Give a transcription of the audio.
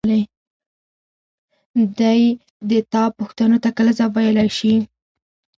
دى د تا پوښتنو ته کله ځواب ويلاى شي.